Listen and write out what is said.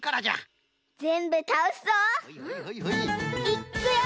いっくよ！